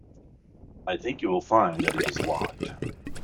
I think you will find that it is locked.